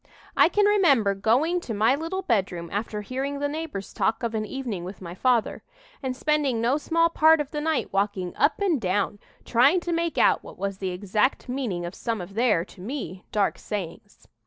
"I can remember going to my little bedroom, after hearing the neighbors talk of an evening with my father, and spending no small part of the night walking up and down, trying to make out what was the exact meaning of some of their, to me, dark sayings.